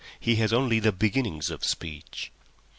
He has only the beginnings of speech."